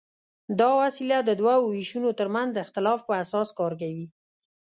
دا وسیله د دوو وېشونو تر منځ د اختلاف په اساس کار کوي.